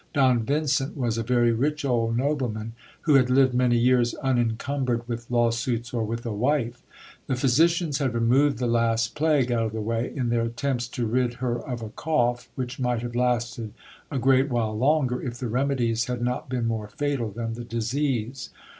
Don Vincent was a very rich old nobleman, who had lived many years unincumbered with lawsuits or with a wife. The pnysicians had removed the last plague out of the way, in their attempts to rid GIL BLAS. her of a cough, which might have lasted a great while longer, if the remedies had not been more fatal than the disease.